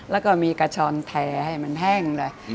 แล้วก็มีกระชอนแท้ให้มันแห้งเลย